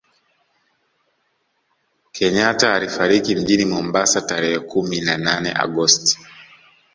kenyatta alifariki mjini Mombasa tarehe kumi na nane agosti